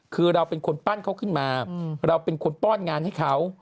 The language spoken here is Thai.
คือเราเป็นคนปั้นเขาขึ้นมาเราเป็นคนป้อนงานให้เขา